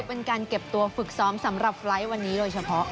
เป็นการเก็บตัวฝึกซ้อมสำหรับไฟล์ทวันนี้โดยเฉพาะ